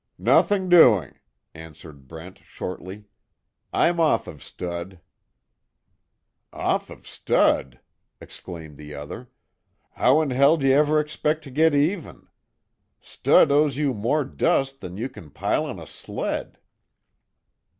"Nothing doing," answered Brent, shortly. "I'm off of stud." "Off of stud!" exclaimed the other, "How in hell d'you ever expect to git even? Stud owes you more dust than you kin pile on a sled!"